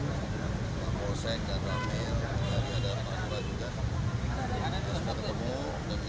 pak polsek dan ramir